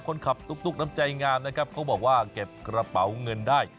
ตุ๊กน้ำใจงามนะครับเขาบอกว่าเก็บกระเป๋าเงินได้